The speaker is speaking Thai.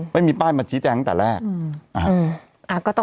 ไม่มีป้ายมาชี้แจงตั้งแต่แรก